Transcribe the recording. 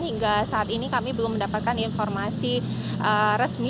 hingga saat ini kami belum mendapatkan informasi resmi